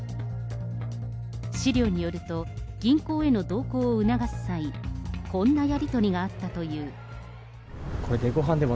資料によると、銀行への同行を促す際、こんなやり取りがあったという。